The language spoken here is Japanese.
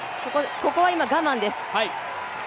ここは今、我慢です。